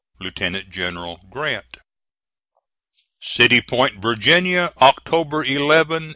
"LIEUTENANT GENERAL GRANT." "CITY POINT, VIRGINIA, "October 11,1864 11.